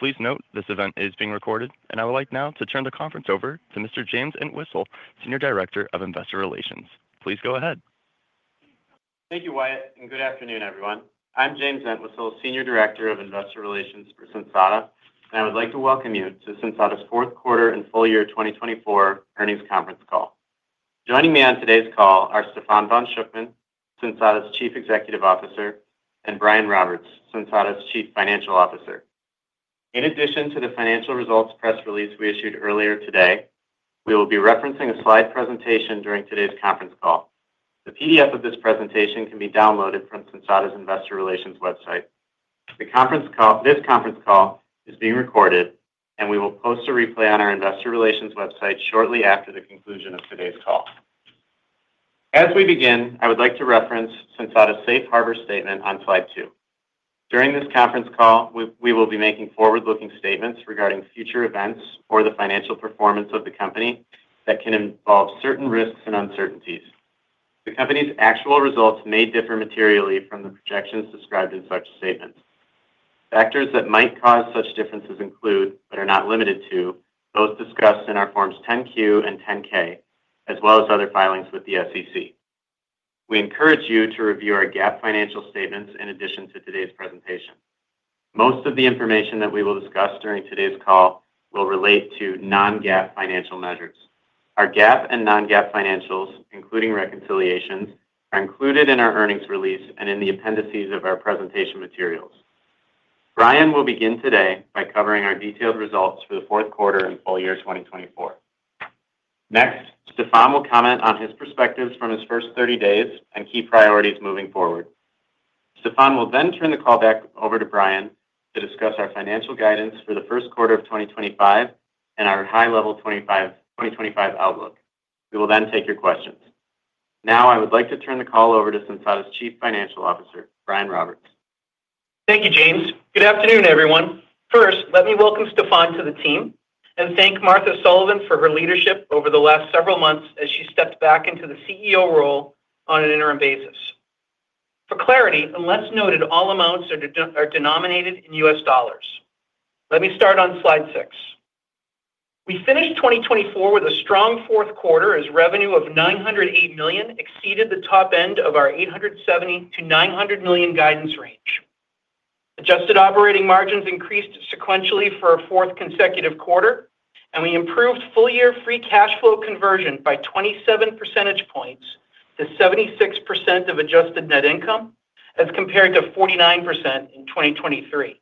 Please note this event is being recorded, and I would like now to turn the conference over to Mr. James Entwistle, Senior Director of Investor Relations. Please go ahead. Thank you, Wyatt, and good afternoon, everyone. I'm James Entwistle, Senior Director of Investor Relations for Sensata, and I would like to welcome you to Sensata's fourth quarter and full year 2024 earnings conference call. Joining me on today's call are Stephan von Schuckmann, Sensata's Chief Executive Officer, and Brian Roberts, Sensata's Chief Financial Officer. In addition to the financial results press release we issued earlier today, we will be referencing a slide presentation during today's conference call. The PDF of this presentation can be downloaded from Sensata's Investor Relations website. This conference call is being recorded, and we will post a replay on our Investor Relations website shortly after the conclusion of today's call. As we begin, I would like to reference Sensata's Safe Harbor statement on slide two. During this conference call, we will be making forward-looking statements regarding future events or the financial performance of the company that can involve certain risks and uncertainties. The company's actual results may differ materially from the projections described in such statements. Factors that might cause such differences include, but are not limited to, those discussed in our Forms 10-Q and 10-K, as well as other filings with the SEC. We encourage you to review our GAAP financial statements in addition to today's presentation. Most of the information that we will discuss during today's call will relate to non-GAAP financial measures. Our GAAP and non-GAAP financials, including reconciliations, are included in our earnings release and in the appendices of our presentation materials. Brian will begin today by covering our detailed results for the fourth quarter and full year 2024. Next, Stephan will comment on his perspectives from his first 30 days and key priorities moving forward. Stephan will then turn the call back over to Brian to discuss our financial guidance for the first quarter of 2025 and our high-level 2025 outlook. We will then take your questions. Now, I would like to turn the call over to Sensata's Chief Financial Officer, Brian Roberts. Thank you, James. Good afternoon, everyone. First, let me welcome Stephan to the team and thank Martha Sullivan for her leadership over the last several months as she stepped back into the CEO role on an interim basis. For clarity, unless noted all amounts are denominated in US dollars. Let me start on slide six. We finished 2024 with a strong fourth quarter as revenue of $908 million exceeded the top end of our $870-$900 million guidance range. Adjusted operating margins increased sequentially for a fourth consecutive quarter, and we improved full-year free cash flow conversion by 27 percentage points to 76% of adjusted net income as compared to 49% in 2023.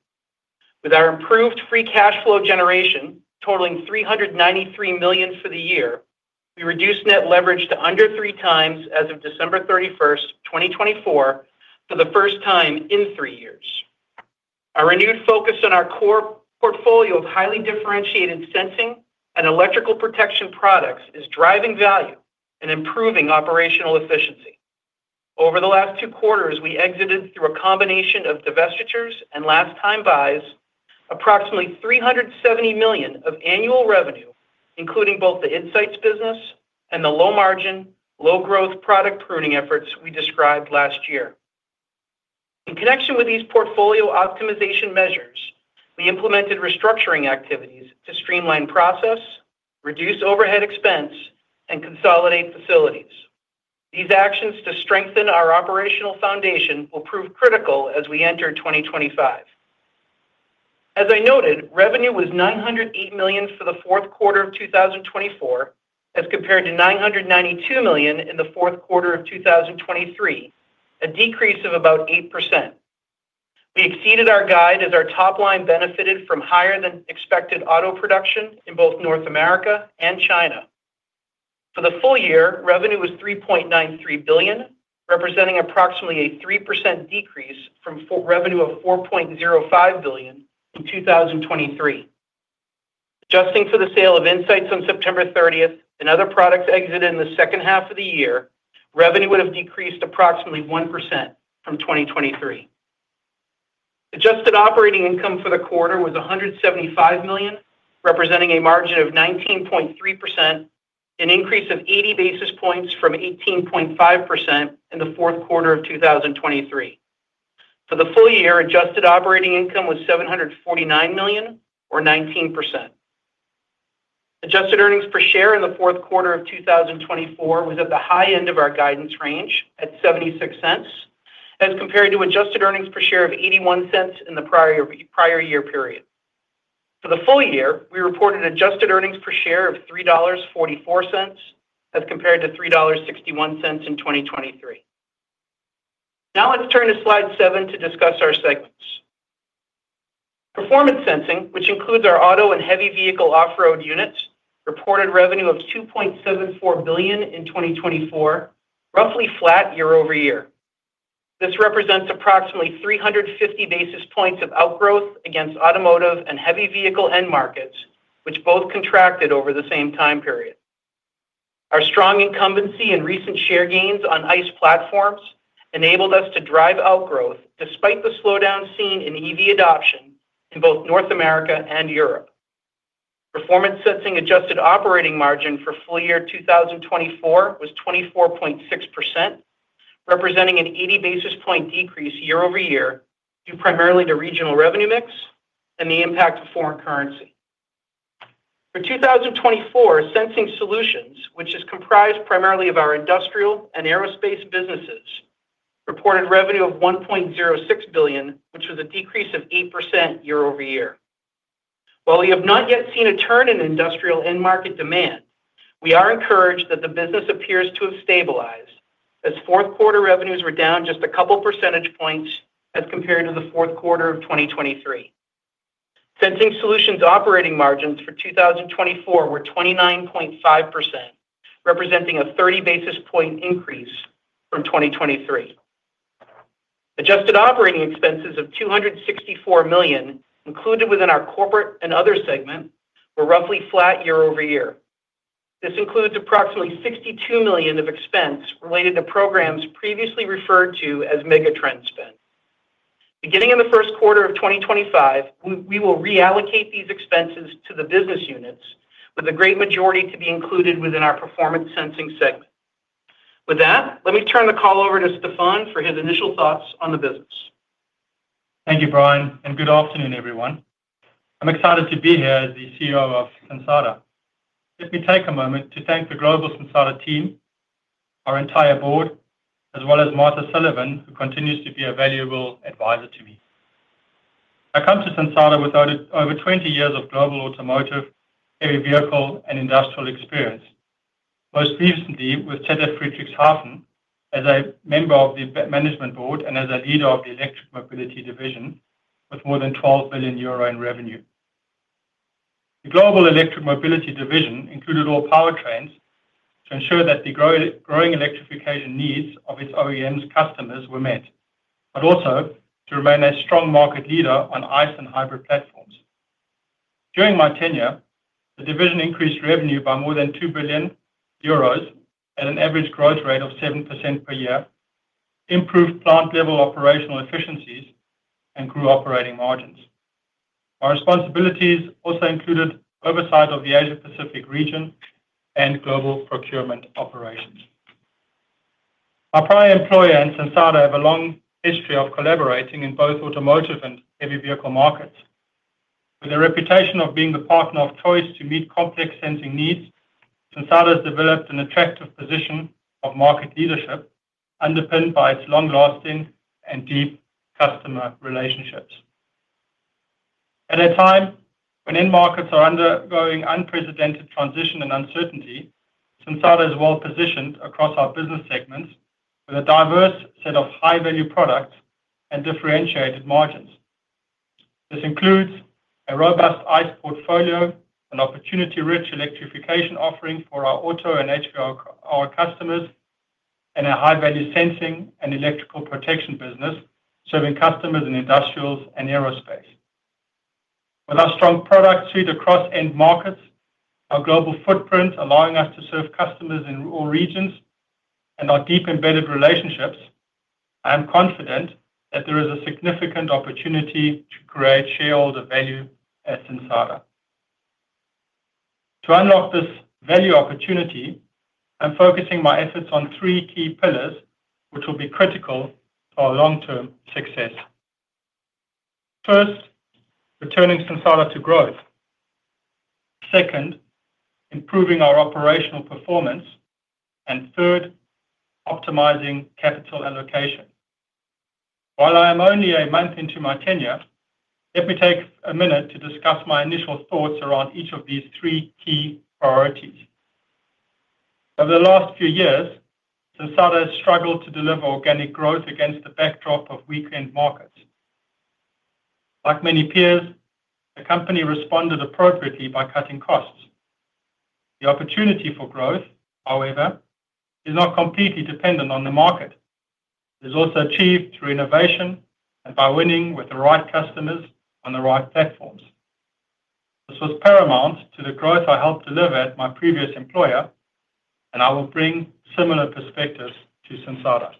With our improved free cash flow generation totaling $393 million for the year, we reduced net leverage to under three times as of December 31st, 2024, for the first time in three years. Our renewed focus on our core portfolio of highly differentiated sensing and electrical protection products is driving value and improving operational efficiency. Over the last two quarters, we exited through a combination of divestitures and last-time buys, approximately $370 million of annual revenue, including both the Insights business and the low-margin, low-growth product pruning efforts we described last year. In connection with these portfolio optimization measures, we implemented restructuring activities to streamline process, reduce overhead expense, and consolidate facilities. These actions to strengthen our operational foundation will prove critical as we enter 2025. As I noted, revenue was $908 million for the fourth quarter of 2024 as compared to $992 million in the fourth quarter of 2023, a decrease of about 8%. We exceeded our guide as our top line benefited from higher-than-expected auto production in both North America and China. For the full year, revenue was $3.93 billion, representing approximately a 3% decrease from revenue of $4.05 billion in 2023. Adjusting for the sale of Insights on September 30th and other products exited in the second half of the year, revenue would have decreased approximately 1% from 2023. Adjusted operating income for the quarter was $175 million, representing a margin of 19.3%, an increase of 80 basis points from 18.5% in the fourth quarter of 2023. For the full year, adjusted operating income was $749 million, or 19%. Adjusted earnings per share in the fourth quarter of 2024 was at the high end of our guidance range at $0.76 as compared to adjusted earnings per share of $0.81 in the prior year period. For the full year, we reported adjusted earnings per share of $3.44 as compared to $3.61 in 2023. Now, let's turn to slide seven to discuss our segments. Performance Sensing, which includes our auto and heavy vehicle off-road units, reported revenue of $2.74 billion in 2024, roughly flat year over year. This represents approximately 350 basis points of outgrowth against automotive and heavy vehicle end markets, which both contracted over the same time period. Our strong incumbency and recent share gains on ICE platforms enabled us to drive outgrowth despite the slowdown seen in EV adoption in both North America and Europe. Performance Sensing adjusted operating margin for full year 2024 was 24.6%, representing an 80 basis point decrease year over year due primarily to regional revenue mix and the impact of foreign currency. For 2024, Sensing Solutions, which is comprised primarily of our industrial and aerospace businesses, reported revenue of $1.06 billion, which was a decrease of 8% year over year. While we have not yet seen a turn in industrial end market demand, we are encouraged that the business appears to have stabilized as fourth quarter revenues were down just a couple percentage points as compared to the fourth quarter of 2023. Sensing Solutions operating margins for 2024 were 29.5%, representing a 30 basis point increase from 2023. Adjusted operating expenses of $264 million, included within our corporate and other segment, were roughly flat year over year. This includes approximately $62 million of expense related to programs previously referred to as megatrend spend. Beginning in the first quarter of 2025, we will reallocate these expenses to the business units, with the great majority to be included within our Performance Sensing segment. With that, let me turn the call over to Stephan for his initial thoughts on the business. Thank you, Brian, and good afternoon, everyone. I'm excited to be here as the CEO of Sensata. Let me take a moment to thank the global Sensata team, our entire board, as well as Martha Sullivan, who continues to be a valuable advisor to me. I come to Sensata with over 20 years of global automotive, heavy vehicle, and industrial experience, most recently with ZF Friedrichshafen as a member of the management board and as a leader of the electric mobility division, with more than 12 billion euro in revenue. The global electric mobility division included all powertrains to ensure that the growing electrification needs of its OEMs' customers were met, but also to remain a strong market leader on ICE and hybrid platforms. During my tenure, the division increased revenue by more than €2 billion at an average growth rate of 7% per year, improved plant-level operational efficiencies, and grew operating margins. My responsibilities also included oversight of the Asia-Pacific region and global procurement operations. My prior employer and Sensata have a long history of collaborating in both automotive and heavy vehicle markets. With a reputation of being the partner of choice to meet complex sensing needs, Sensata has developed an attractive position of market leadership, underpinned by its long-lasting and deep customer relationships. At a time when end markets are undergoing unprecedented transition and uncertainty, Sensata is well positioned across our business segments with a diverse set of high-value products and differentiated margins. This includes a robust ICE portfolio, an opportunity-rich electrification offering for our auto and HVAC customers, and a high-value sensing and electrical protection business serving customers in industrials and aerospace. With our strong product suite across end markets, our global footprint allowing us to serve customers in all regions, and our deep embedded relationships, I am confident that there is a significant opportunity to create shareholder value at Sensata. To unlock this value opportunity, I'm focusing my efforts on three key pillars, which will be critical to our long-term success. First, returning Sensata to growth. Second, improving our operational performance. And third, optimizing capital allocation. While I am only a month into my tenure, let me take a minute to discuss my initial thoughts around each of these three key priorities. Over the last few years, Sensata has struggled to deliver organic growth against the backdrop of weaker end markets. Like many peers, the company responded appropriately by cutting costs. The opportunity for growth, however, is not completely dependent on the market. It is also achieved through innovation and by winning with the right customers on the right platforms. This was paramount to the growth I helped deliver at my previous employer, and I will bring similar perspectives to Sensata.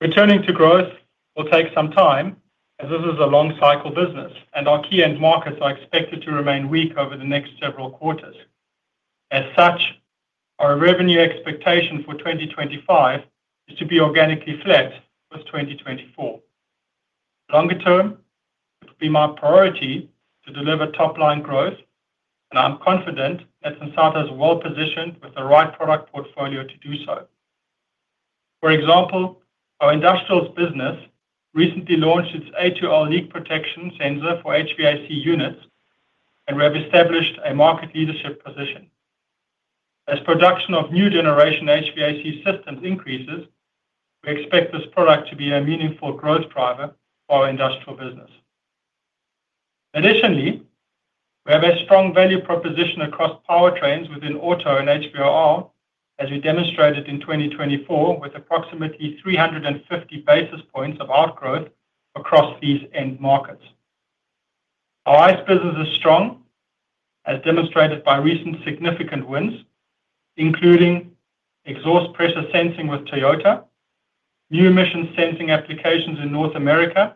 Returning to growth will take some time as this is a long-cycle business, and our key end markets are expected to remain weak over the next several quarters. As such, our revenue expectation for 2025 is to be organically flat with 2024. Longer term, it will be my priority to deliver top-line growth, and I'm confident that Sensata is well positioned with the right product portfolio to do so. For example, our industrials business recently launched its A2L leak protection sensor for HVAC units, and we have established a market leadership position. As production of new generation HVAC systems increases, we expect this product to be a meaningful growth driver for our industrial business. Additionally, we have a strong value proposition across powertrains within auto and HVOR, as we demonstrated in 2024 with approximately 350 basis points of outgrowth across these end markets. Our ICE business is strong, as demonstrated by recent significant wins, including exhaust pressure sensing with Toyota, new emission sensing applications in North America,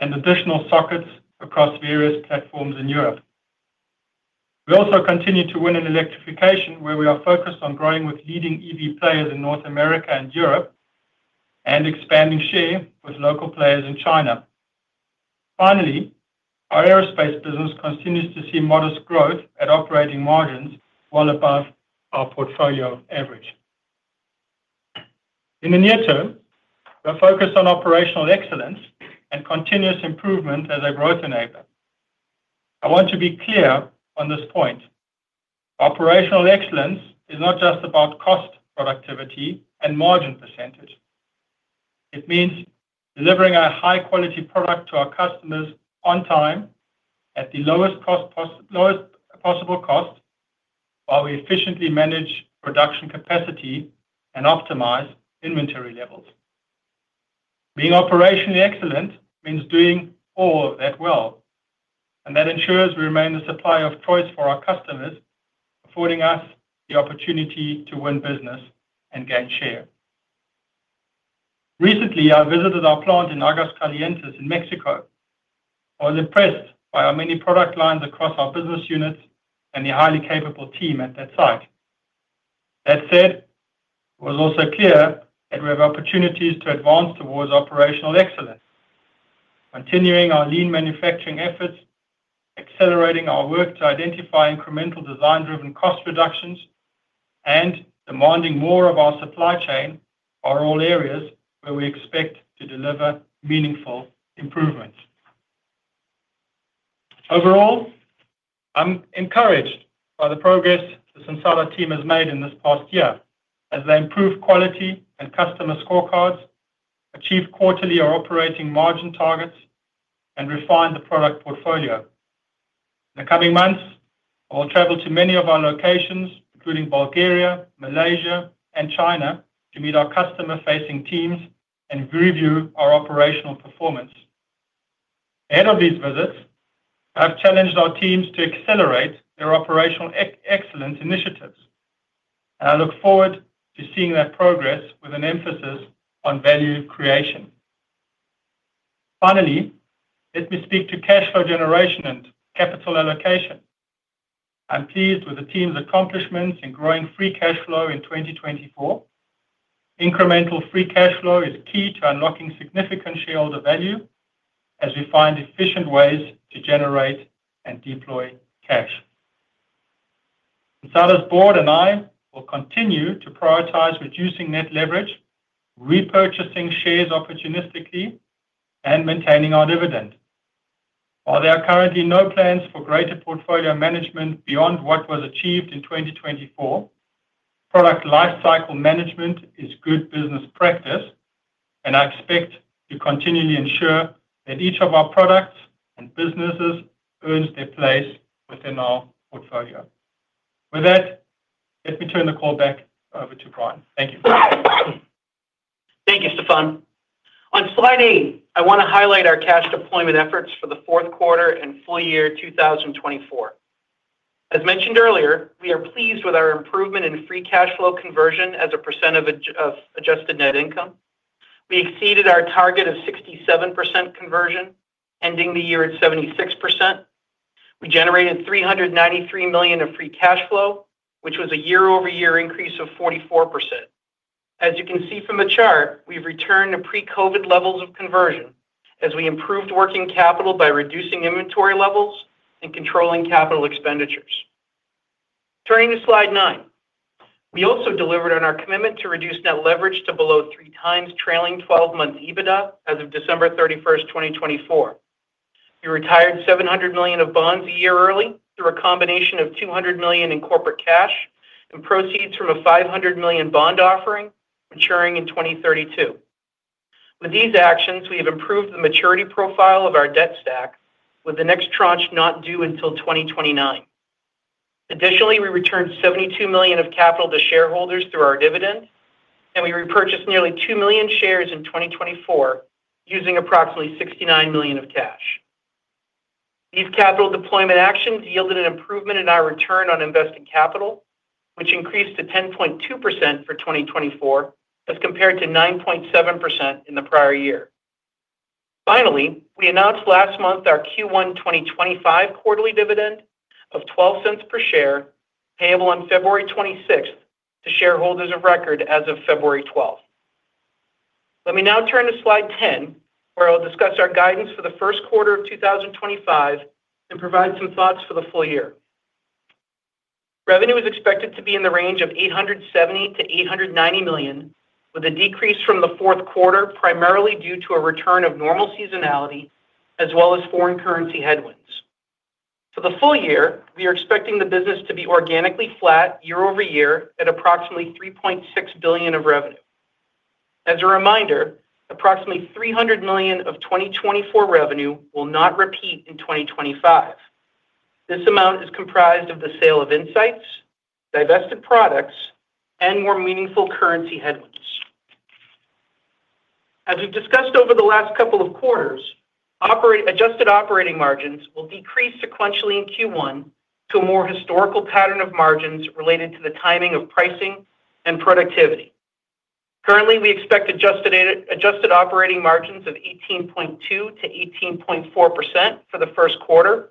and additional sockets across various platforms in Europe. We also continue to win in electrification, where we are focused on growing with leading EV players in North America and Europe and expanding share with local players in China. Finally, our aerospace business continues to see modest growth at operating margins well above our portfolio average. In the near term, we're focused on operational excellence and continuous improvement as a growth enabler. I want to be clear on this point. Operational excellence is not just about cost productivity and margin percentage. It means delivering a high-quality product to our customers on time at the lowest possible cost, while we efficiently manage production capacity and optimize inventory levels. Being operationally excellent means doing all of that well, and that ensures we remain the supplier of choice for our customers, affording us the opportunity to win business and gain share. Recently, I visited our plant in Aguascalientes in Mexico. I was impressed by our many product lines across our business units and the highly capable team at that site. That said, it was also clear that we have opportunities to advance towards operational excellence, continuing our lean manufacturing efforts, accelerating our work to identify incremental design-driven cost reductions, and demanding more of our supply chain for all areas where we expect to deliver meaningful improvements. Overall, I'm encouraged by the progress the Sensata team has made in this past year, as they improve quality and customer scorecards, achieve quarterly or operating margin targets, and refine the product portfolio. In the coming months, I will travel to many of our locations, including Bulgaria, Malaysia, and China, to meet our customer-facing teams and review our operational performance. Ahead of these visits, I have challenged our teams to accelerate their operational excellence initiatives, and I look forward to seeing that progress with an emphasis on value creation. Finally, let me speak to cash flow generation and capital allocation. I'm pleased with the team's accomplishments in growing free cash flow in 2024. Incremental free cash flow is key to unlocking significant shareholder value as we find efficient ways to generate and deploy cash. Sensata's board and I will continue to prioritize reducing net leverage, repurchasing shares opportunistically, and maintaining our dividend. While there are currently no plans for greater portfolio management beyond what was achieved in 2024, product lifecycle management is good business practice, and I expect to continually ensure that each of our products and businesses earns their place within our portfolio. With that, let me turn the call back over to Brian. Thank you. Thank you, Stephan. On slide eight, I want to highlight our cash deployment efforts for the fourth quarter and full year 2024. As mentioned earlier, we are pleased with our improvement in free cash flow conversion as a percent of adjusted net income. We exceeded our target of 67% conversion, ending the year at 76%. We generated $393 million of free cash flow, which was a year-over-year increase of 44%. As you can see from the chart, we've returned to pre-COVID levels of conversion as we improved working capital by reducing inventory levels and controlling capital expenditures. Turning to slide nine, we also delivered on our commitment to reduce net leverage to below three times trailing 12-month EBITDA as of December 31, 2024. We retired $700 million of bonds a year early through a combination of $200 million in corporate cash and proceeds from a $500 million bond offering maturing in 2032. With these actions, we have improved the maturity profile of our debt stack, with the next tranche not due until 2029. Additionally, we returned $72 million of capital to shareholders through our dividend, and we repurchased nearly 2 million shares in 2024 using approximately $69 million of cash. These capital deployment actions yielded an improvement in our return on invested capital, which increased to 10.2% for 2024 as compared to 9.7% in the prior year. Finally, we announced last month our Q1 2025 quarterly dividend of $0.12 per share, payable on February 26 to shareholders of record as of February 12. Let me now turn to slide 10, where I'll discuss our guidance for the first quarter of 2025 and provide some thoughts for the full year. Revenue is expected to be in the range of $870-$890 million, with a decrease from the fourth quarter primarily due to a return of normal seasonality as well as foreign currency headwinds. For the full year, we are expecting the business to be organically flat year-over-year at approximately $3.6 billion of revenue. As a reminder, approximately $300 million of 2024 revenue will not repeat in 2025. This amount is comprised of the sale of insights, divested products, and more meaningful currency headwinds. As we've discussed over the last couple of quarters, adjusted operating margins will decrease sequentially in Q1 to a more historical pattern of margins related to the timing of pricing and productivity. Currently, we expect adjusted operating margins of 18.2% to 18.4% for the first quarter,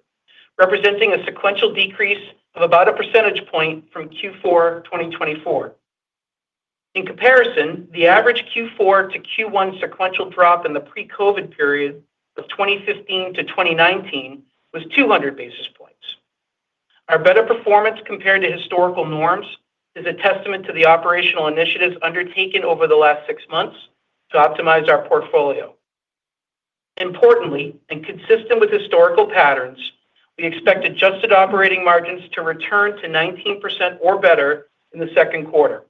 representing a sequential decrease of about a percentage point from Q4 2024. In comparison, the average Q4 to Q1 sequential drop in the pre-COVID period of 2015 to 2019 was 200 basis points. Our better performance compared to historical norms is a testament to the operational initiatives undertaken over the last six months to optimize our portfolio. Importantly, and consistent with historical patterns, we expect adjusted operating margins to return to 19% or better in the second quarter,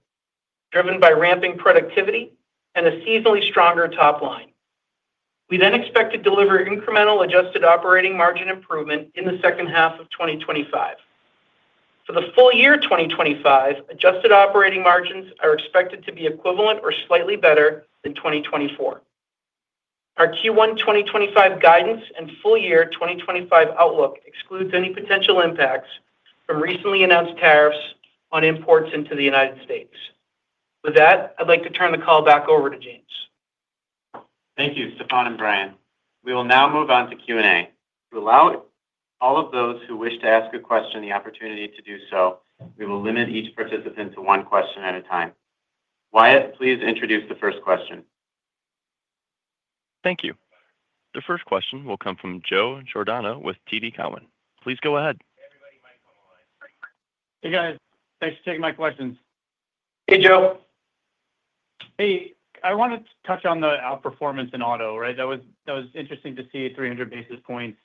driven by ramping productivity and a seasonally stronger top line. We then expect to deliver incremental adjusted operating margin improvement in the second half of 2025. For the full year 2025, adjusted operating margins are expected to be equivalent or slightly better than 2024. Our Q1 2025 guidance and full year 2025 outlook excludes any potential impacts from recently announced tariffs on imports into the United States. With that, I'd like to turn the call back over to James. Thank you, Stephan and Brian. We will now move on to Q&A. To allow all of those who wish to ask a question the opportunity to do so, we will limit each participant to one question at a time. Wyatt, please introduce the first question. Thank you. The first question will come from Joe Giordano with TD Cowen. Please go ahead. Hey, guys. Thanks for taking my questions. Hey, Joe. Hey. I wanted to touch on the outperformance in auto, right? That was interesting to see, 300 basis points.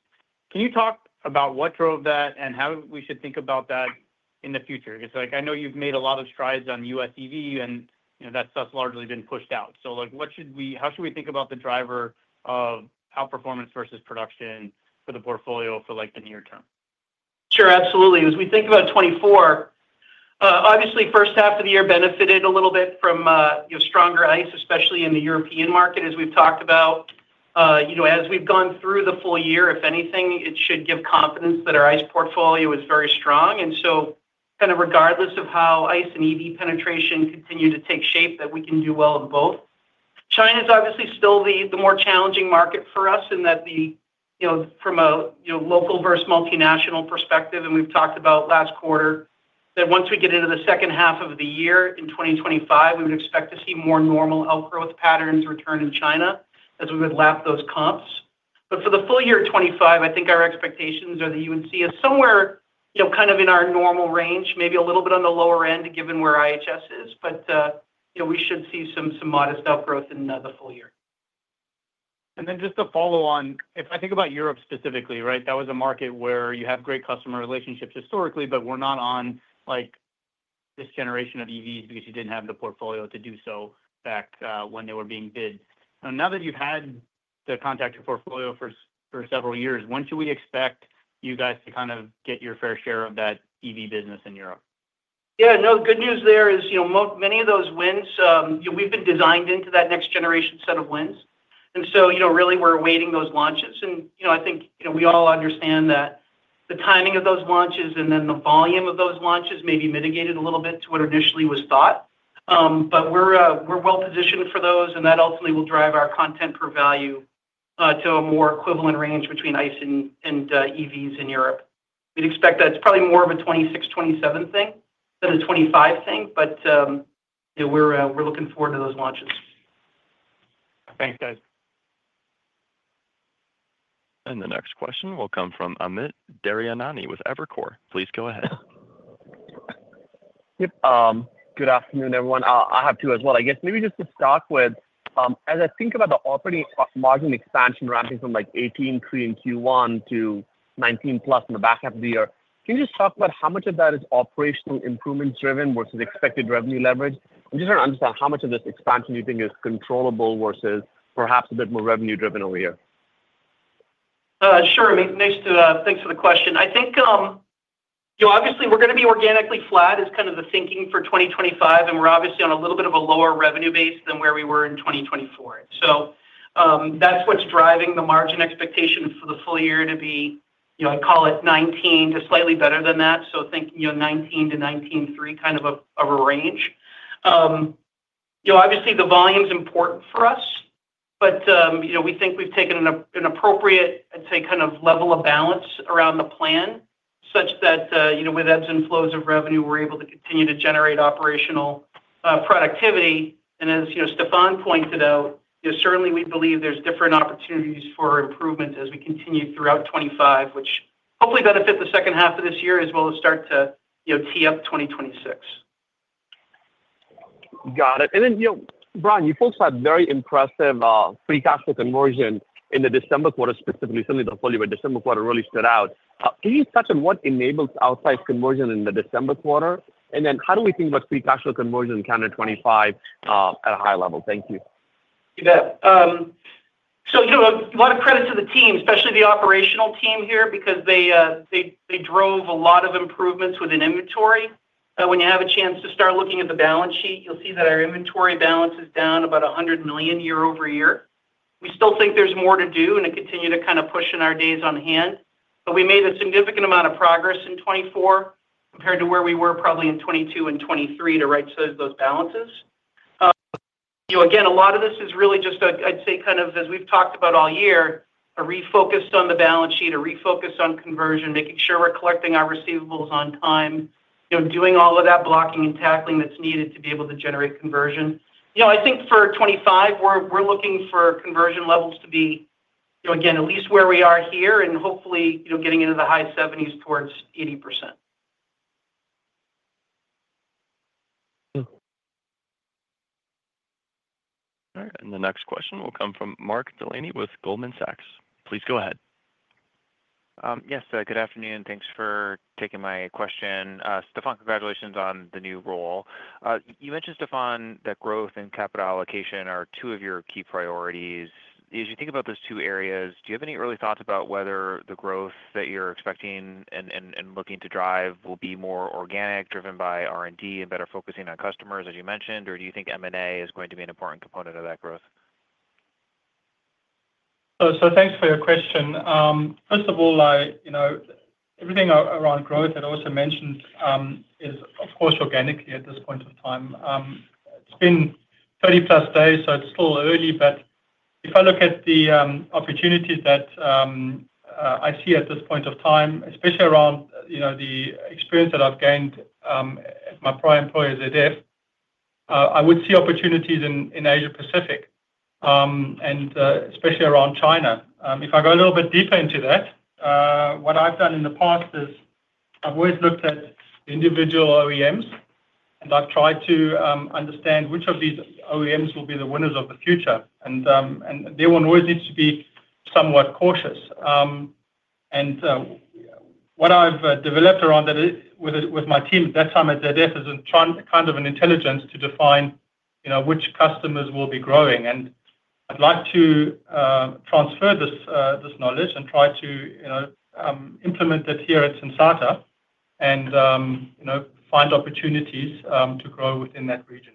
Can you talk about what drove that and how we should think about that in the future? Because I know you've made a lot of strides on US EV, and that stuff's largely been pushed out. So how should we think about the driver of outperformance versus production for the portfolio for the near term? Sure, absolutely. As we think about 2024, obviously, the first half of the year benefited a little bit from stronger ICE, especially in the European market, as we've talked about. As we've gone through the full year, if anything, it should give confidence that our ICE portfolio is very strong. And so kind of regardless of how ICE and EV penetration continue to take shape, that we can do well in both. China is obviously still the more challenging market for us in that from a local versus multinational perspective, and we've talked about last quarter, that once we get into the second half of the year in 2025, we would expect to see more normal outgrowth patterns return in China as we would lap those comps. But for the full year 2025, I think our expectations are that you would see us somewhere kind of in our normal range, maybe a little bit on the lower end given where IHS is, but we should see some modest outgrowth in the full year. Then just to follow on, if I think about Europe specifically, right? That was a market where you have great customer relationships historically, but we're not on this generation of EVs because you didn't have the portfolio to do so back when they were being bid. Now that you've had the contactor portfolio for several years, when should we expect you guys to kind of get your fair share of that EV business in Europe? Yeah. No, the good news there is many of those wins, we've been designed into that next-generation set of wins. And so really, we're awaiting those launches. And I think we all understand that the timing of those launches and then the volume of those launches may be mitigated a little bit to what initially was thought. But we're well-positioned for those, and that ultimately will drive our content per value to a more equivalent range between ICE and EVs in Europe. We'd expect that it's probably more of a 2026, 2027 thing than a 2025 thing, but we're looking forward to those launches. Thanks, guys. And the next question will come from Amit Daryanani with Evercore. Please go ahead. Yep. Good afternoon, everyone. I have two as well. I guess maybe just to start with, as I think about the operating margin expansion ramping from 18%, 13%, and Q1 to 19% plus in the back half of the year, can you just talk about how much of that is operational improvements driven versus expected revenue leverage? I'm just trying to understand how much of this expansion you think is controllable versus perhaps a bit more revenue-driven over here. Sure. Thanks for the question. I think obviously, we're going to be organically flat is kind of the thinking for 2025, and we're obviously on a little bit of a lower revenue base than where we were in 2024. So that's what's driving the margin expectation for the full year to be, I'd call it 19% to slightly better than that. So I think 19% to 19.23% kind of a range. Obviously, the volume's important for us, but we think we've taken an appropriate, I'd say, kind of level of balance around the plan such that with ebbs and flows of revenue, we're able to continue to generate operational productivity. And as Stephan pointed out, certainly, we believe there's different opportunities for improvement as we continue throughout 2025, which hopefully benefits the second half of this year as well as start to tee up 2026. Got it. And then, Brian, you folks had very impressive free cash flow conversion in the December quarter, specifically certainly the full year. December quarter really stood out. Can you touch on what enables outsized conversion in the December quarter? And then how do we think about free cash flow conversion in calendar 2025 at a high level? Thank you. You bet. So a lot of credit to the team, especially the operational team here, because they drove a lot of improvements within inventory. When you have a chance to start looking at the balance sheet, you'll see that our inventory balance is down about $100 million year-over-year. We still think there's more to do and continue to kind of push in our days on hand. But we made a significant amount of progress in 2024 compared to where we were probably in 2022 and 2023 to right-size those balances. Again, a lot of this is really just, I'd say, kind of as we've talked about all year, a refocus on the balance sheet, a refocus on conversion, making sure we're collecting our receivables on time, doing all of that blocking and tackling that's needed to be able to generate conversion. I think for 2025, we're looking for conversion levels to be, again, at least where we are here and hopefully getting into the high 70s towards 80%. All right. The next question will come from Mark Delaney with Goldman Sachs. Please go ahead. Yes. Good afternoon. Thanks for taking my question. Stephan, congratulations on the new role. You mentioned, Stephan, that growth and capital allocation are two of your key priorities. As you think about those two areas, do you have any early thoughts about whether the growth that you're expecting and looking to drive will be more organic, driven by R&D and better focusing on customers, as you mentioned, or do you think M&A is going to be an important component of that growth? So thanks for your question. First of all, everything around growth I'd also mentioned is, of course, organically at this point of time. It's been 30-plus days, so it's still early, but if I look at the opportunities that I see at this point of time, especially around the experience that I've gained at my prior employer ZF, I would see opportunities in Asia-Pacific and especially around China. If I go a little bit deeper into that, what I've done in the past is I've always looked at individual OEMs, and I've tried to understand which of these OEMs will be the winners of the future. And they will always need to be somewhat cautious. And what I've developed around that with my team at that time at ZF is kind of an intelligence to define which customers will be growing. I'd like to transfer this knowledge and try to implement it here at Sensata and find opportunities to grow within that region.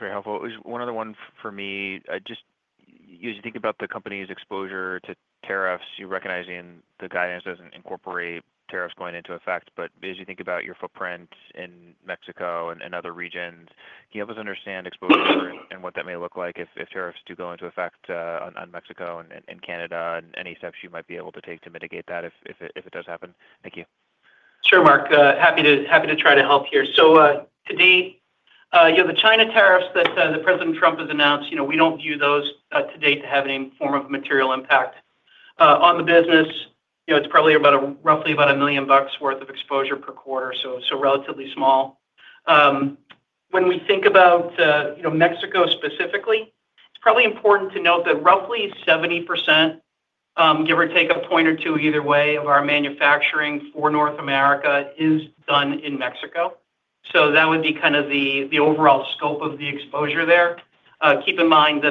Very helpful. One other one for me. Just as you think about the company's exposure to tariffs, you're recognizing the guidance doesn't incorporate tariffs going into effect, but as you think about your footprint in Mexico and other regions, can you help us understand exposure and what that may look like if tariffs do go into effect on Mexico and Canada and any steps you might be able to take to mitigate that if it does happen? Thank you. Sure, Mark. Happy to try to help here. So to date, the China tariffs that President Trump has announced, we don't view those to date to have any form of material impact on the business. It's probably roughly about $1 million worth of exposure per quarter, so relatively small. When we think about Mexico specifically, it's probably important to note that roughly 70%, give or take a point or two either way, of our manufacturing for North America is done in Mexico. So that would be kind of the overall scope of the exposure there. Keep in mind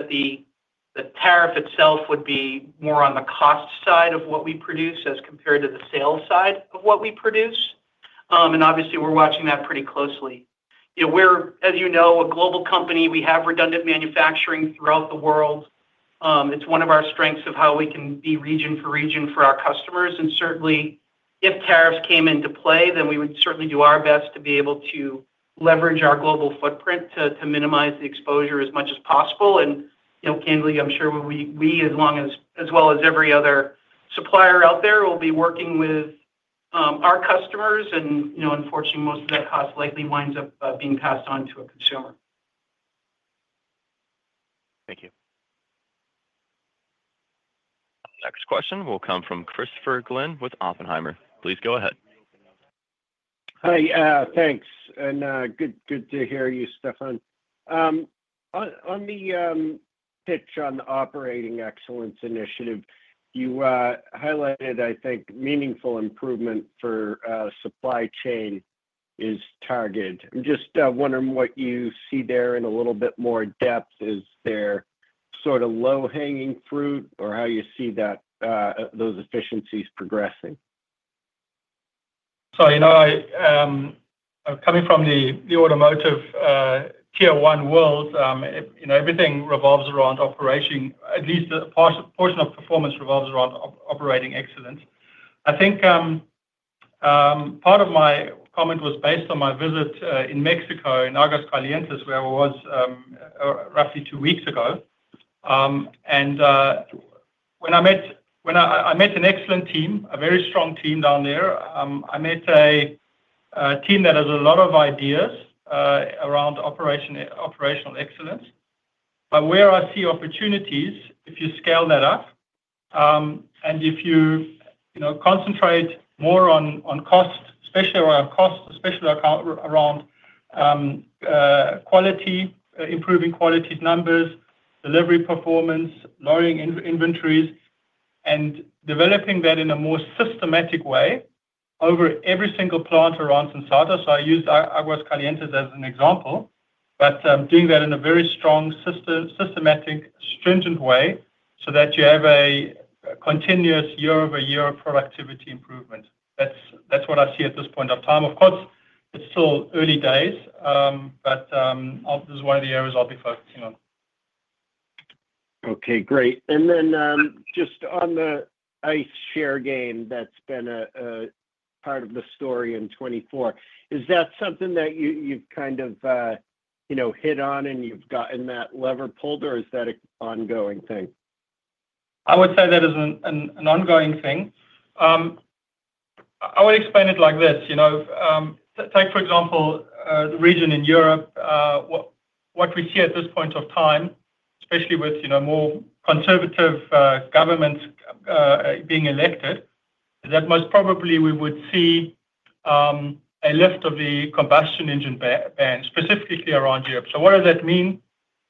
that the tariff itself would be more on the cost side of what we produce as compared to the sales side of what we produce. And obviously, we're watching that pretty closely. We're, as you know, a global company. We have redundant manufacturing throughout the world. It's one of our strengths of how we can be region for region for our customers. And certainly, if tariffs came into play, then we would certainly do our best to be able to leverage our global footprint to minimize the exposure as much as possible. And candidly, I'm sure we, as well as every other supplier out there, will be working with our customers. And unfortunately, most of that cost likely winds up being passed on to a consumer. Thank you. Next question will come from Christopher Glynn with Oppenheimer. Please go ahead. Hi. Thanks. And good to hear you, Stephan. On the pitch on the operating excellence initiative, you highlighted, I think, meaningful improvement for supply chain is targeted. I'm just wondering what you see there in a little bit more depth. Is there sort of low-hanging fruit or how you see those efficiencies progressing? So coming from the automotive tier-one world, everything revolves around operation. At least a portion of performance revolves around operating excellence. I think part of my comment was based on my visit in Mexico, in Aguascalientes, where I was roughly two weeks ago. And when I met an excellent team, a very strong team down there, I met a team that has a lot of ideas around operational excellence. But where I see opportunities, if you scale that up and if you concentrate more on cost, especially around cost, especially around improving quality numbers, delivery performance, lowering inventories, and developing that in a more systematic way over every single plant around Sensata. So I used Aguascalientes as an example, but doing that in a very strong, systematic, stringent way so that you have a continuous year-over-year productivity improvement. That's what I see at this point of time. Of course, it's still early days, but this is one of the areas I'll be focusing on. Okay. Great. And then just on the ICE share game that's been a part of the story in 2024, is that something that you've kind of hit on and you've gotten that lever pulled, or is that an ongoing thing? I would say that is an ongoing thing. I would explain it like this. Take, for example, the region in Europe, what we see at this point of time, especially with more conservative governments being elected, is that most probably we would see a lift of the combustion engine ban, specifically around Europe. So what does that mean?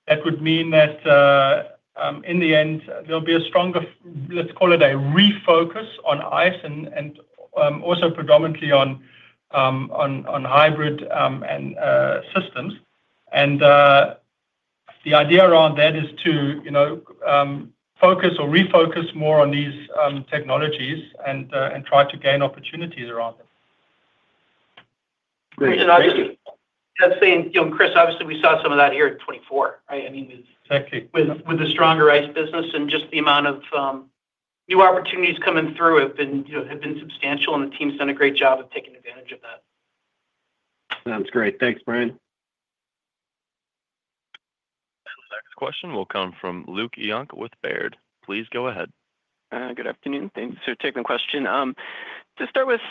That would mean that in the end, there'll be a stronger, let's call it a refocus on ICE and also predominantly on hybrid systems. And the idea around that is to focus or refocus more on these technologies and try to gain opportunities around them. Thank you. I think, Chris, obviously, we saw some of that here in 2024, right? I mean, with the stronger ICE business and just the amount of new opportunities coming through have been substantial, and the team's done a great job of taking advantage of that. Sounds great. Thanks, Brian. The next question will come from Luke Junk with Baird. Please go ahead. Good afternoon. Thanks for taking the question. To start with,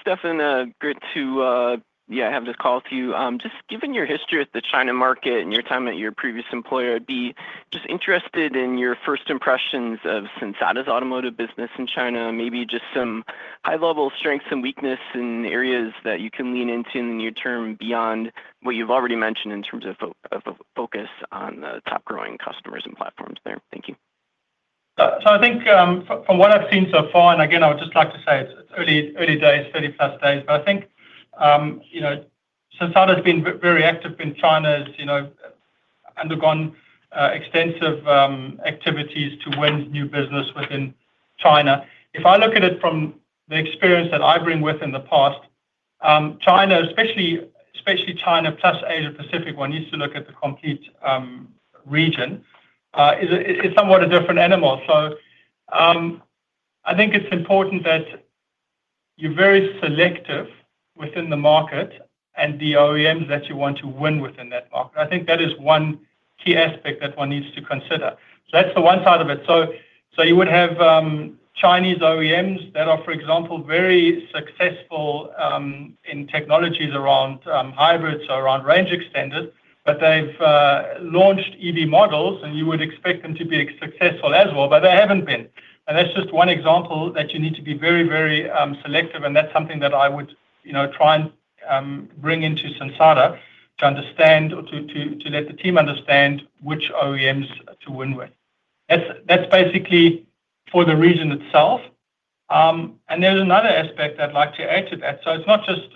Stephan, great to, yeah, have this call with you. Just given your history at the China market and your time at your previous employer, I'd be just interested in your first impressions of Sensata's automotive business in China, maybe just some high-level strengths and weaknesses in areas that you can lean into in the near term beyond what you've already mentioned in terms of focus on top-growing customers and platforms there. Thank you. So I think from what I've seen so far, and again, I would just like to say it's early days, 30-plus days, but I think Sensata has been very active in China, has undergone extensive activities to win new business within China. If I look at it from the experience that I bring within the past, China, especially China plus Asia-Pacific, when you used to look at the complete region, is somewhat a different animal. So I think it's important that you're very selective within the market and the OEMs that you want to win within that market. I think that is one key aspect that one needs to consider. So that's the one side of it. So you would have Chinese OEMs that are, for example, very successful in technologies around hybrids, so around range extenders, but they've launched EV models, and you would expect them to be successful as well, but they haven't been. And that's just one example that you need to be very, very selective, and that's something that I would try and bring into Sensata to understand or to let the team understand which OEMs to win with. That's basically for the region itself. And there's another aspect I'd like to add to that. So it's not just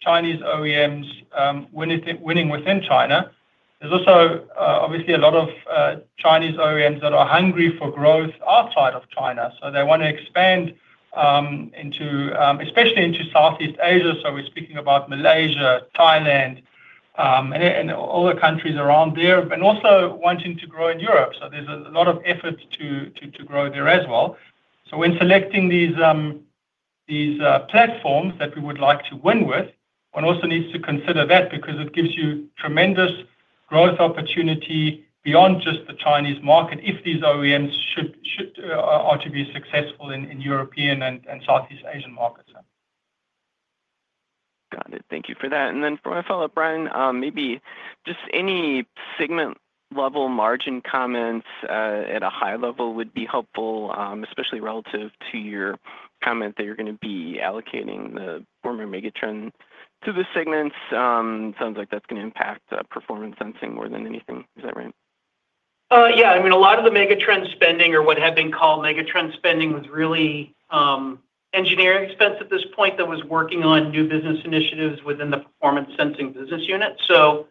Chinese OEMs winning within China. There's also obviously a lot of Chinese OEMs that are hungry for growth outside of China. So they want to expand especially into Southeast Asia. So we're speaking about Malaysia, Thailand, and all the countries around there, and also wanting to grow in Europe. There's a lot of effort to grow there as well. When selecting these platforms that we would like to win with, one also needs to consider that because it gives you tremendous growth opportunity beyond just the Chinese market if these OEMs are to be successful in European and Southeast Asian markets. Got it. Thank you for that. And then for my follow-up, Brian, maybe just any segment-level margin comments at a high level would be helpful, especially relative to your comment that you're going to be allocating the former Megatrend to the segments. It sounds like that's going to impact Performance Sensing more than anything. Is that right? Yeah. I mean, a lot of the Megatrend spending or what had been called Megatrend spending was really engineering expense at this point that was working on new business initiatives within the Performance Sensing business unit. So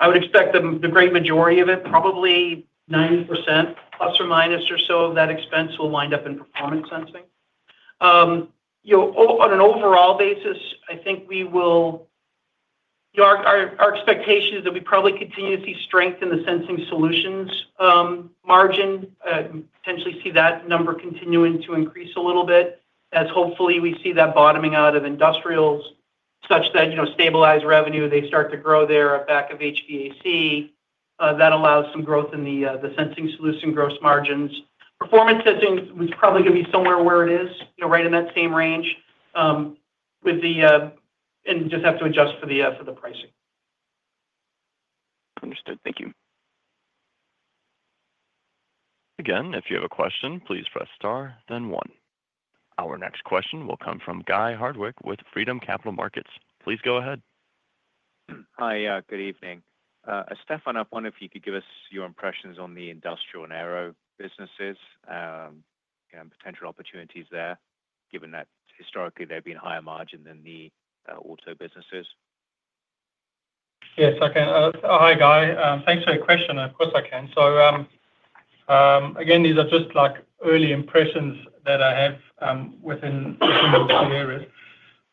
I would expect the great majority of it, probably 90% plus or minus or so of that expense will wind up in Performance Sensing. On an overall basis, I think our expectation is that we probably continue to see strength in the Sensing Solutions margin, potentially see that number continuing to increase a little bit as hopefully we see that bottoming out of industrials such that stabilized revenue, they start to grow there at back of HVAC. That allows some growth in the Sensing Solutions gross margins. Performance Sensing was probably going to be somewhere where it is, right in that same range, and just have to adjust for the pricing. Understood. Thank you. Again, if you have a question, please press star, then one. Our next question will come from Guy Hardwick with Freedom Capital Markets. Please go ahead. Hi. Good evening. Stephan, I wonder if you could give us your impressions on the industrial and aero businesses and potential opportunities there, given that historically they've been higher margin than the auto businesses. Yes. I can. Hi, Guy. Thanks for your question. Of course, I can. So again, these are just early impressions that I have within those two areas.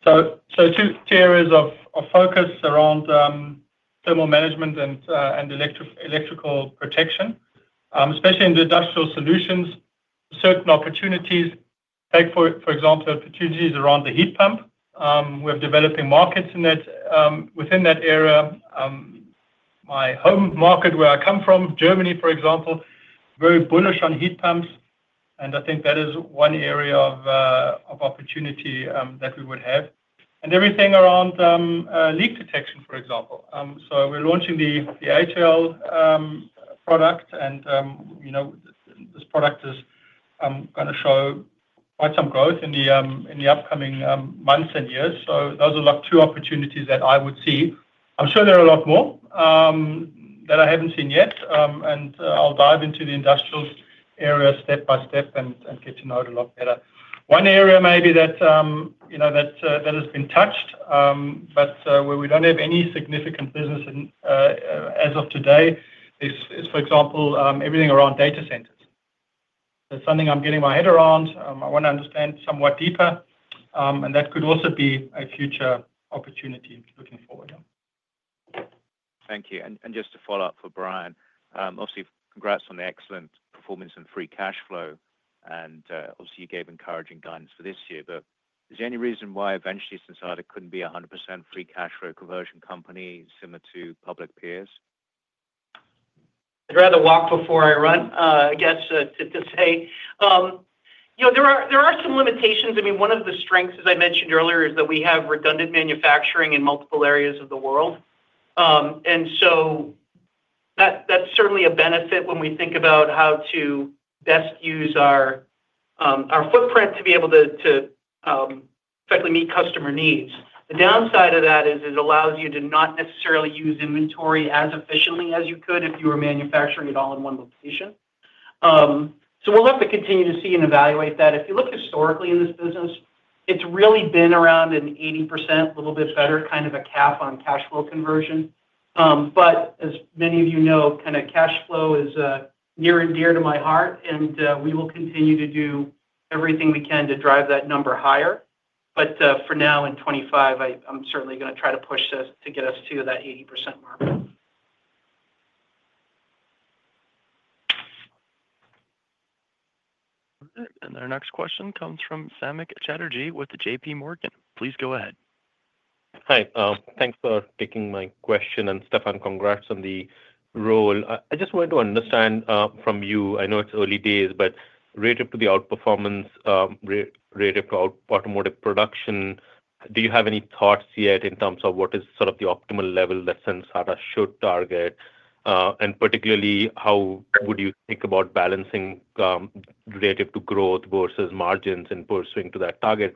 So two areas of focus around thermal management and electrical protection, especially in the industrial solutions, certain opportunities. For example, opportunities around the heat pump. We have developing markets within that area. My home market, where I come from, Germany, for example, very bullish on heat pumps. And I think that is one area of opportunity that we would have. And everything around leak detection, for example. So we're launching the A2L product, and this product is going to show quite some growth in the upcoming months and years. So those are two opportunities that I would see. I'm sure there are a lot more that I haven't seen yet, and I'll dive into the industrial area step by step and get to know it a lot better. One area maybe that has been touched, but where we don't have any significant business as of today, is, for example, everything around data centers. That's something I'm getting my head around. I want to understand somewhat deeper, and that could also be a future opportunity looking forward. Thank you. And just to follow up for Brian, obviously, congrats on the excellent performance and free cash flow. And obviously, you gave encouraging guidance for this year. But is there any reason why eventually Sensata couldn't be a 100% free cash flow conversion company similar to public peers? I'd rather walk before I run, I guess, to say. There are some limitations. I mean, one of the strengths, as I mentioned earlier, is that we have redundant manufacturing in multiple areas of the world. And so that's certainly a benefit when we think about how to best use our footprint to be able to effectively meet customer needs. The downside of that is it allows you to not necessarily use inventory as efficiently as you could if you were manufacturing it all in one location. So we'll have to continue to see and evaluate that. If you look historically in this business, it's really been around an 80%, a little bit better, kind of a cap on cash flow conversion. But as many of you know, kind of cash flow is near and dear to my heart, and we will continue to do everything we can to drive that number higher. But for now, in 2025, I'm certainly going to try to push this to get us to that 80% mark. Our next question comes from Samik Chatterjee with J.P. Morgan. Please go ahead. Hi. Thanks for taking my question, and Stephan, congrats on the role. I just wanted to understand from you, I know it's early days, but relative to the outperformance, relative to automotive production, do you have any thoughts yet in terms of what is sort of the optimal level that Sensata should target? And particularly, how would you think about balancing relative to growth versus margins in pursuing to that target,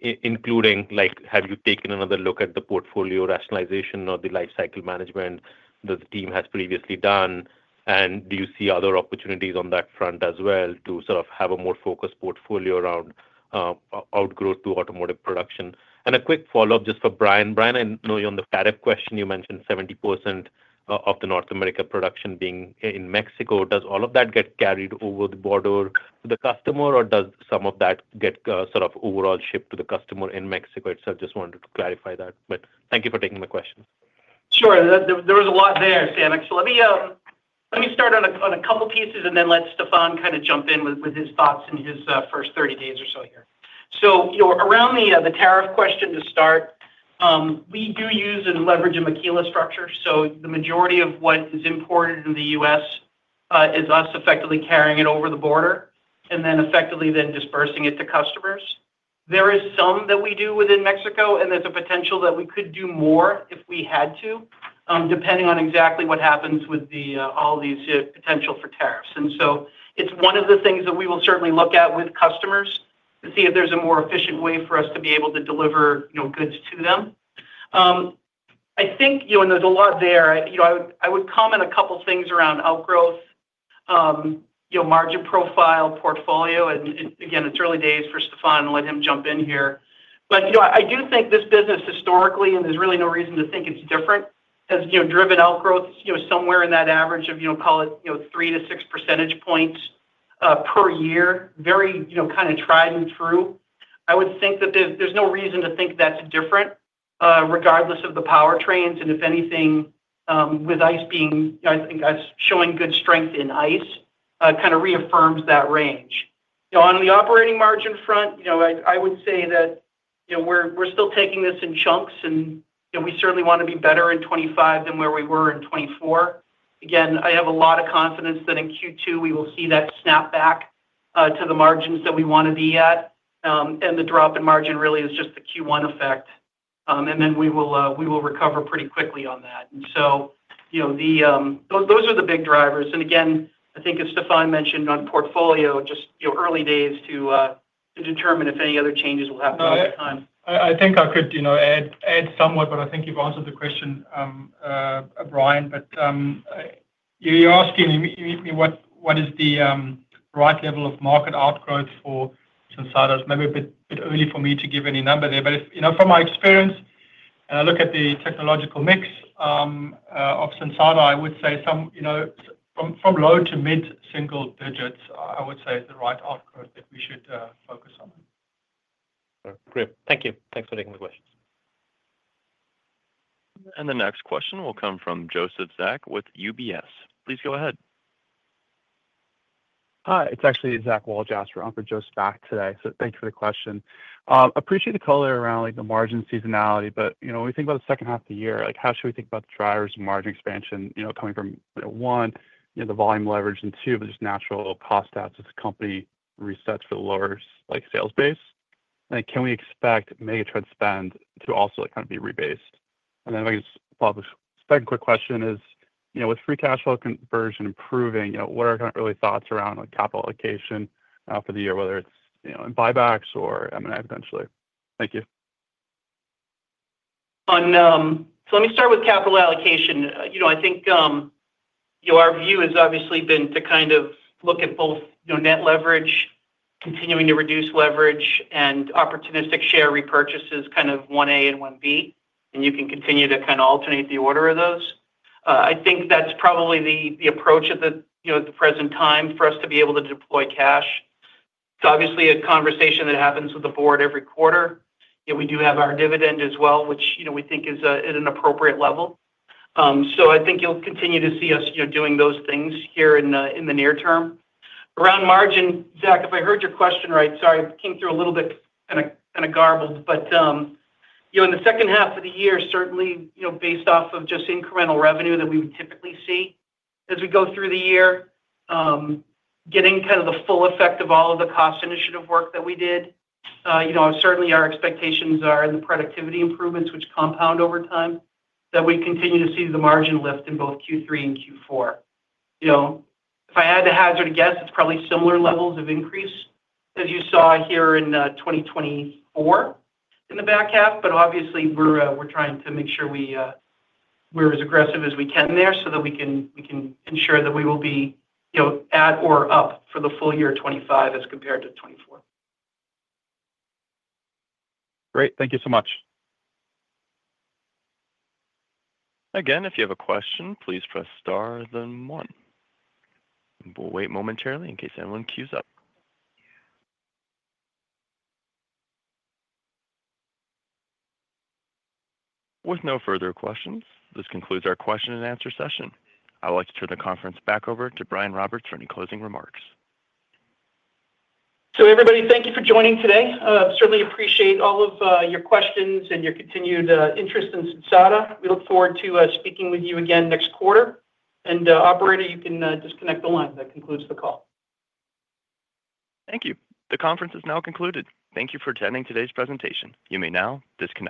including have you taken another look at the portfolio rationalization or the life cycle management that the team has previously done? And do you see other opportunities on that front as well to sort of have a more focused portfolio around outgrowth to automotive production? And a quick follow-up just for Brian. Brian, I know on the tariff question, you mentioned 70% of the North America production being in Mexico. Does all of that get carried over the border to the customer, or does some of that get sort of overall shipped to the customer in Mexico itself? Just wanted to clarify that. But thank you for taking my question. Sure. There was a lot there, Samik. So let me start on a couple of pieces, and then let Stephan kind of jump in with his thoughts in his first 30 days or so here. So around the tariff question to start, we do use and leverage a maquiladora structure. So the majority of what is imported in the U.S. is us effectively carrying it over the border and then effectively then dispersing it to customers. There is some that we do within Mexico, and there's a potential that we could do more if we had to, depending on exactly what happens with all these potential for tariffs. And so it's one of the things that we will certainly look at with customers to see if there's a more efficient way for us to be able to deliver goods to them. I think there's a lot there. I would comment a couple of things around outgrowth, margin profile, portfolio. And again, it's early days for Stephan and let him jump in here. But I do think this business historically, and there's really no reason to think it's different, has driven outgrowth somewhere in that average of, call it, 3-6 percentage points per year, very kind of tried and true. I would think that there's no reason to think that's different regardless of the power trains. And if anything, with ICE being, I think, showing good strength in ICE, kind of reaffirms that range. On the operating margin front, I would say that we're still taking this in chunks, and we certainly want to be better in 2025 than where we were in 2024. Again, I have a lot of confidence that in Q2, we will see that snap back to the margins that we want to be at. And the drop in margin really is just the Q1 effect. And then we will recover pretty quickly on that. And so those are the big drivers. And again, I think as Stephan mentioned on portfolio, just early days to determine if any other changes will happen over time. I think I could add somewhat, but I think you've answered the question, Brian. But you're asking me what is the right level of market outgrowth for Sensata. It's maybe a bit early for me to give any number there. But from my experience, and I look at the technological mix of Sensata, I would say from low to mid-single digits, I would say is the right outgrowth that we should focus on. Great. Thank you. Thanks for taking my questions. And the next question will come from Joseph Spak with UBS. Please go ahead. Hi. It's actually Jack Wold-Jansen. I'm for Joseph Spak today. So thank you for the question. Appreciate the color around the margin seasonality, but when we think about the second half of the year, how should we think about the drivers of margin expansion coming from, one, the volume leverage, and two, there's natural cost out as the company resets for the lower sales base? And can we expect Megatrend spend to also kind of be rebased? And then I guess a second quick question is, with free cash flow conversion improving, what are kind of early thoughts around capital allocation for the year, whether it's in buybacks or M&A potentially? Thank you. So let me start with capital allocation. I think our view has obviously been to kind of look at both net leverage, continuing to reduce leverage, and opportunistic share repurchases, kind of 1A and 1B, and you can continue to kind of alternate the order of those. I think that's probably the approach at the present time for us to be able to deploy cash. It's obviously a conversation that happens with the board every quarter. We do have our dividend as well, which we think is at an appropriate level. So I think you'll continue to see us doing those things here in the near term. Around margin, Jack, if I heard your question right, sorry, it came through a little bit kind of garbled, but in the second half of the year, certainly based off of just incremental revenue that we would typically see as we go through the year, getting kind of the full effect of all of the cost initiative work that we did, certainly our expectations are in the productivity improvements, which compound over time, that we continue to see the margin lift in both Q3 and Q4. If I had to hazard a guess, it's probably similar levels of increase as you saw here in 2024 in the back half. But obviously, we're trying to make sure we're as aggressive as we can there so that we can ensure that we will be at or up for the full year of 2025 as compared to 2024. Great. Thank you so much. Again, if you have a question, please press star, then one. We'll wait momentarily in case anyone queues up. With no further questions, this concludes our question and answer session. I'd like to turn the conference back over to Brian Roberts for any closing remarks. So everybody, thank you for joining today. Certainly appreciate all of your questions and your continued interest in Sensata. We look forward to speaking with you again next quarter. And operator, you can disconnect the line. That concludes the call. Thank you. The conference is now concluded. Thank you for attending today's presentation. You may now disconnect.